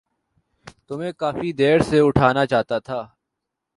تمہیں کافی دیر سے اٹھانا چاہتا تھا۔